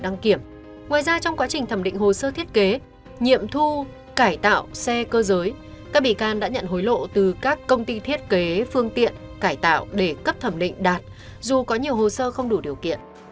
ngoài ra trong quá trình thẩm định hồ sơ thiết kế nghiệm thu cải tạo xe cơ giới các bị can đã nhận hối lộ từ các công ty thiết kế phương tiện cải tạo để cấp thẩm định đạt dù có nhiều hồ sơ không đủ điều kiện